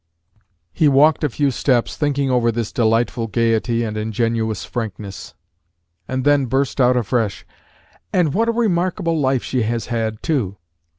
He walked a few steps, thinking over this delightful gayety and ingenuous frankness; and then burst out afresh, "And what a remarkable life she has had too!